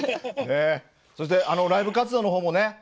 そしてライブ活動のほうもね